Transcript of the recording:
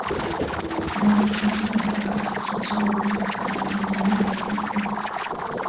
Il inscrivit en quarts, son tir au but, alors qu'en demi, il le manqua.